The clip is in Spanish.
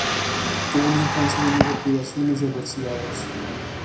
Tuvo una infancia llena de privaciones y adversidades.